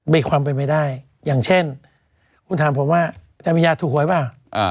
มีความเป็นไปได้อย่างเช่นคุณถามผมว่าอาจารย์วิญญาถูกหวยเปล่า